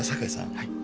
はい。